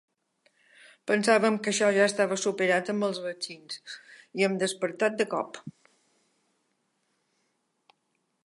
Pensàvem que això ja estava superat amb els vaccins i hem despertat de cop.